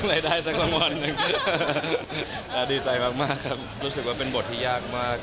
ไม่ได้สักนาทีวันนึงก็ดีใจมากค่ะรู้สึกว่าเป็นบทที่ยากมาก